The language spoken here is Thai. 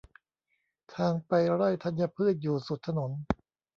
ทางไปไร่ธัญพืชอยู่สุดถนน